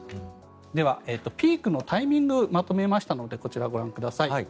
では、ピークのタイミングをまとめましたのでこちら、ご覧ください。